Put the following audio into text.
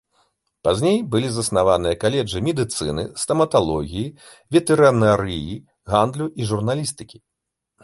Пазней былі заснаваныя каледжы медыцыны, стаматалогіі, ветэрынарыі, гандлю і журналістыкі.